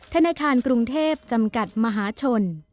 ธนาคารกรุงเทพจำกัดมหาชน